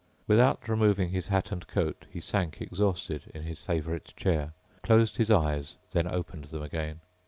Without removing his hat and coat, he sank exhausted in his favorite chair, closed his eyes then opened them again.